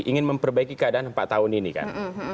ingin memperbaiki keadaan empat tahun ini kan